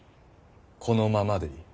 このままでいい。